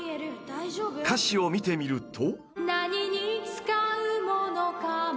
［歌詞を見てみると］